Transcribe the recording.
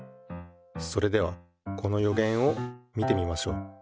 それではこのよげんを見てみましょう。